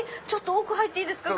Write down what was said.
奥入っていいですか？